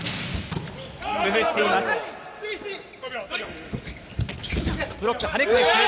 崩しています。